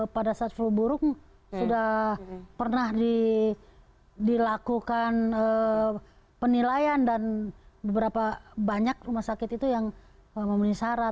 pada saat flu buruk sudah pernah dilakukan penilaian dan beberapa banyak rumah sakit itu yang memenuhi syarat